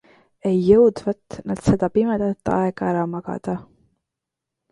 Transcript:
Ei jõudvat nad seda pimedat aega ära magada.